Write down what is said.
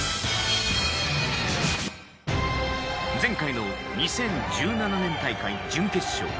前回の２０１７年大会準決勝。